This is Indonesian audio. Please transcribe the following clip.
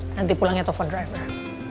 nanti pulangnya telfon driver